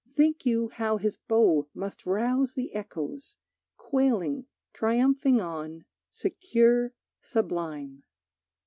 Think you how his bow must rouse the echoes, Quailing triumphing on, secure, sublime!